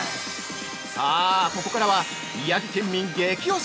◆さあ、ここからは宮城県民激推し！